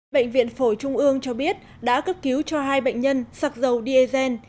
bệnh viện phổi trung ương cho biết đã cấp cứu cho hai bệnh nhân sạc dầu diesel